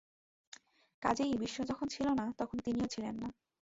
কাজেই বিশ্ব যখন ছিল না, তখন তিনিও ছিলেন না।